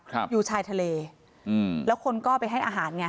อยู่ชายทะเลอืมแล้วคนก็ไปให้อาหารไง